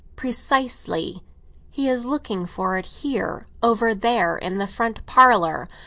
"Precisely. He is looking for it here—over there in the front parlour.